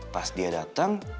pas dia dateng